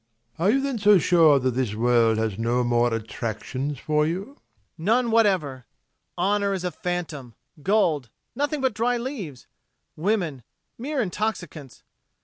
Are you then so sure that this world has no more attractions for you? MAURICE. None whatever! Honour is a phantom; gold, nothing but dry leaves; women, mere intoxicants.